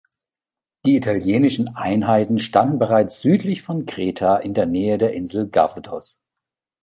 Die italienischen Einheiten standen bereits südlich von Kreta in der Nähe der Insel Gavdos.